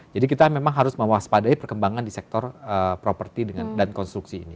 jadi kita memang harus mewaspadai perkembangan di sektor properti dan konstruksi ini